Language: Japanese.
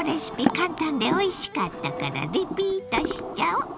簡単でおいしかったからリピートしちゃお！